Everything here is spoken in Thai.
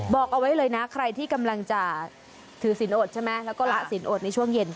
บอกเอาไว้เลยนะใครที่กำลังจะถือศิลปอดใช่ไหมแล้วก็ละสินอดในช่วงเย็น